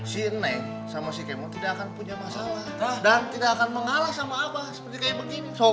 si eneng sama si kemur tidak akan punya masalah sah dan tidak akan mengala sama abah seperti begini so